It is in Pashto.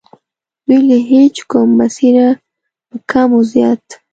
دوی له هیچ کوم مسیره په کم و زیات.